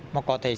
mà có thể xảy ra